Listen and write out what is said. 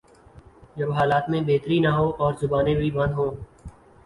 جب حالات میں بہتری نہ ہو اور زبانیں بھی بند ہوں۔